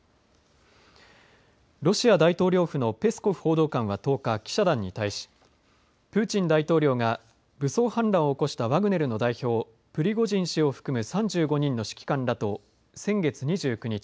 ロシア大統領府のペスコフ報道官は１０日記者団に対しプーチン大統領が武装反乱を起こしたワグネルの代表プリゴジン氏を含む３５人の指揮官らと先月２９日